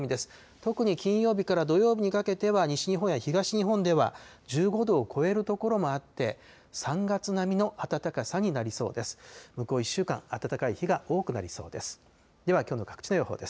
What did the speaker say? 特に金曜日から土曜日にかけては、西日本や東日本では１５度を超える所もあって、３月並みの暖かさになりそうです。